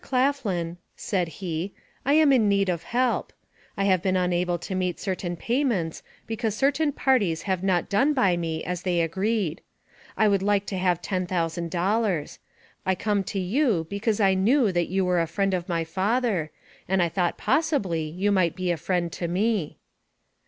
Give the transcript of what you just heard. Claflin," said he, "I am in need of help. I have been unable to meet certain payments because certain parties have not done by me as they agreed. I would like to have $10,000. I come to you because I knew that you were a friend of my father, and I thought possibly you might be a friend to me."